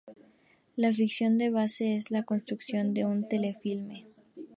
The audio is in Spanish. La ficción es la base para la construcción de un telefilme.